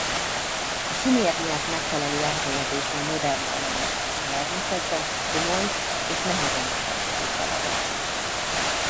A sumer nyelv megfelelő elhelyezése a modern analitikus nyelvészetben komoly és nehezen megoldható feladat.